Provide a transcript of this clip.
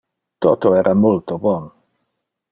Toto era multo bon.